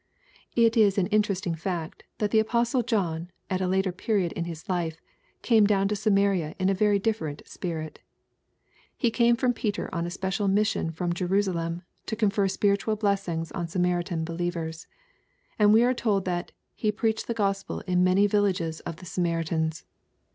It is an interesting fact, that the apostle John, at a later period in his life, came down to Samaria in a very different spirit. He came with Peter on a special missron from Jerusalem, to confer spiritual blessings on Samaritan believers. And we are told that he "preached the Gospel in many villages of the Samaritans."